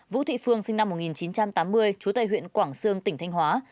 vũ thị phương sinh năm một nghìn chín trăm tám mươi chú tại huyện quảng sương tỉnh thanh hóa